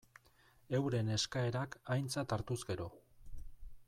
Euren eskaerak aintzat hartuz gero.